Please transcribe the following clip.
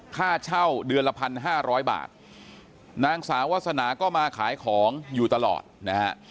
ค่าเช่าเดือนละพันห้าร้อยบาทนางสาววาสนาก็มาขายของอยู่ตลอดนะฮะ